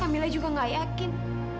kamila juga tidak yakin